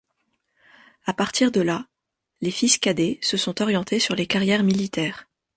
À partir de là, les fils cadets se sont orienté sur les carrières militaires.